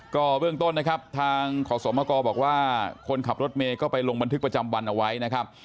ก็เบื้องต้นนะครับทางขอสมกรบอกว่าคนขับรถเมย์ก็ไปลงบันทึกประจำวันเอาไว้นะครับ